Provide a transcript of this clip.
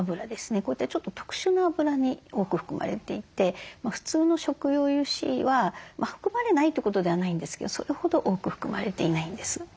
こういったちょっと特殊なあぶらに多く含まれていて普通の食用油脂は含まれないってことではないんですけどそれほど多く含まれていないんです。